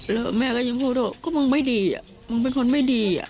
แล้วแม่ก็ยังพูดว่าก็มึงไม่ดีมึงเป็นคนไม่ดี